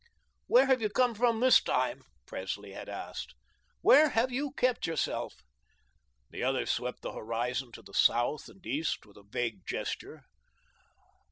"Where have you come from this time?" Presley had asked. "Where have you kept yourself?" The other swept the horizon to the south and east with a vague gesture.